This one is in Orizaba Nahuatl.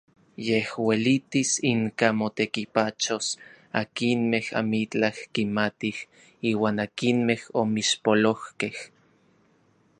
Yej uelitis inka motekipachos akinmej amitlaj kimatij iuan akinmej omixpolojkej.